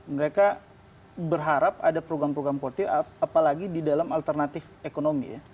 mereka berharap ada program program portir apalagi di dalam alternatif ekonomi ya